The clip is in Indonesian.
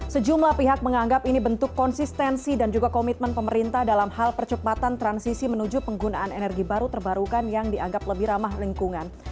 sejumlah pihak menganggap ini bentuk konsistensi dan juga komitmen pemerintah dalam hal percepatan transisi menuju penggunaan energi baru terbarukan yang dianggap lebih ramah lingkungan